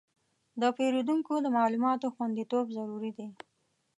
د پیرودونکو د معلوماتو خوندیتوب ضروري دی.